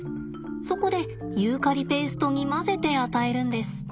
そこでユーカリペーストに混ぜて与えるんです。